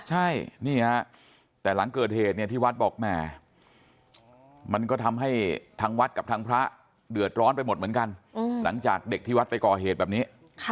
ใช่นี่ฮะแต่หลังเกิดเหตุเนี่ยที่วัดบอกแหมมันก็ทำให้ทางวัดกับทางพระเดือดร้อนไปหมดเหมือนกันหลังจากเด็กที่วัดไปก่อเหตุแบบนี้